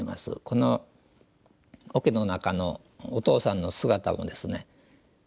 このおけの中のお父さんの姿をですね